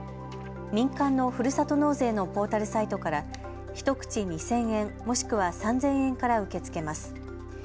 民間のふるさと納税のポータルサイトから１口２０００円もしくは３０００円から受け付けます。